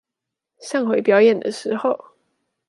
上回表演的時候